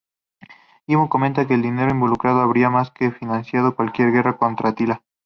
Gibbon comenta que el dinero involucrado habría más que financiado cualquier guerra contra Atila.